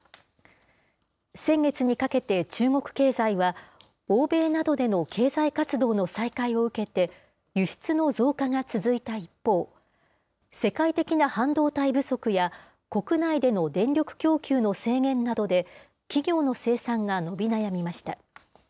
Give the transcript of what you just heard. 先月にかけて中国経済は、欧米などでの経済活動の再開を受けて、輸出の増加が続いた一方、世界的な半導体不足や、国内での電力供給の制限などで、企業の生産が伸び悩みました。